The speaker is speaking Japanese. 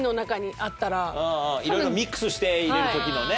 色々ミックスして入れる時のね。